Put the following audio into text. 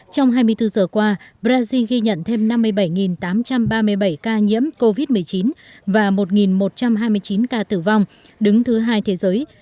trong hai mươi bốn giờ qua brazil ghi nhận thêm năm mươi bảy tám trăm ba mươi bảy ca nhiễm covid một mươi chín và một một trăm hai mươi chín ca tử vong đứng thứ hai thế giới